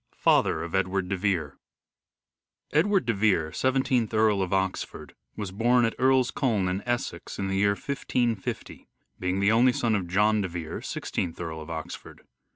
IV FATHER OF EDWARD DE VERE Edward de Vere, Seventeenth Earl of Oxford, was born at Earl's Colne in Essex, in the year 1550, being the only son of John de Vere, Sixteenth Earl of Oxford.